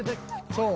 そう。